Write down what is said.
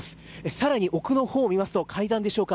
更に奥のほうを見ますと階段でしょうか。